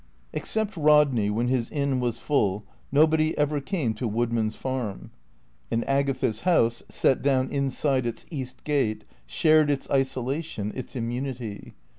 Except Rodney when his inn was full, nobody ever came to Woodman's Farm; and Agatha's house, set down inside its east gate, shared its isolation, its immunity.